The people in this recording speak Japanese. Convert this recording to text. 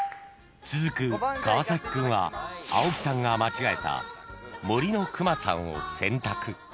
［続く川君は青木さんが間違えた『森の熊さん』を選択］